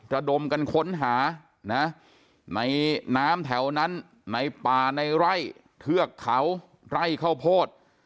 ระดมกันค้นหานะในน้ำแถวนั้นในป่าในไร่เทือกเขาไร่ข้าวโพด